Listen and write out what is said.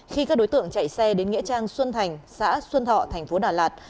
khi các đối tượng chạy xe đến nghĩa trang xuân thành xã xuân thọ tp đà lạt